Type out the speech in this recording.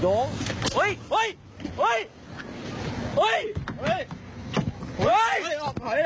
อยากถัดอัลปูเซอร์